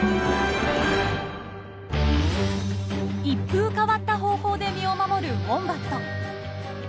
一風変わった方法で身を守るウォンバット。